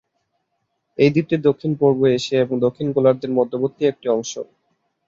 এই দ্বীপটি দক্ষিণ-পূর্ব এশিয়া এবং দক্ষিণ গোলার্ধের মধ্যবর্তী একটি অংশ।